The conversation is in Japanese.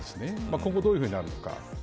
今後どういうふうになるのか。